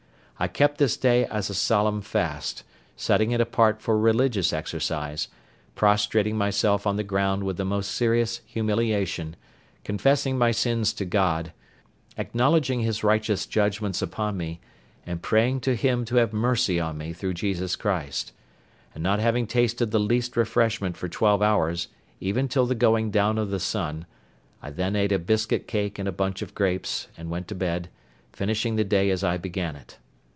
I kept this day as a solemn fast, setting it apart for religious exercise, prostrating myself on the ground with the most serious humiliation, confessing my sins to God, acknowledging His righteous judgments upon me, and praying to Him to have mercy on me through Jesus Christ; and not having tasted the least refreshment for twelve hours, even till the going down of the sun, I then ate a biscuit cake and a bunch of grapes, and went to bed, finishing the day as I began it.